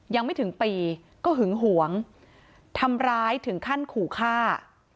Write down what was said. ยังไม่ถึงปีก็หึงหวงทำร้ายถึงขั้นขู่ฆ่า